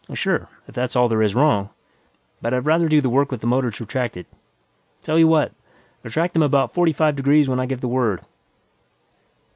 "Oh, sure, if that's all there is wrong. But I'd rather do the work with the motors retracted. Tell you what; retract them about forty five degrees when I give the word."